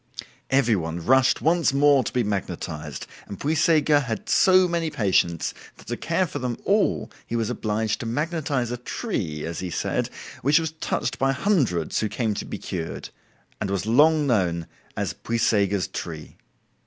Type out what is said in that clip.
Every one rushed once more to be magnetized, and Puysegur had so many patients that to care for them all he was obliged to magnetize a tree (as he said), which was touched by hundreds who came to be cured, and was long known as "Puysegur's tree".